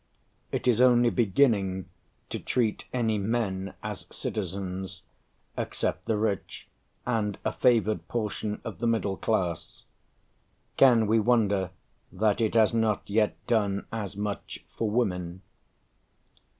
It is only beginning to treat any men as citizens, except the rich and a favoured portion of the middle class. Can we wonder that it has not yet done as much for women?"